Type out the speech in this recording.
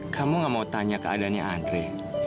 kamu gak mau tanya keadaannya andre